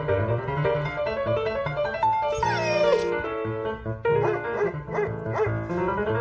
โปรดติดตามตอนต่อไป